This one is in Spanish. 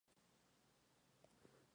Había otro problema latente.